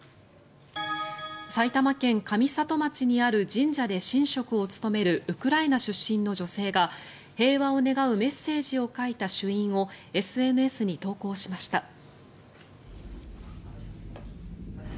埼玉県上里町にある神社で神職を務めるウクライナ出身の女性が平和を願うメッセージを書いた朱印をＳＮＳに投稿しました。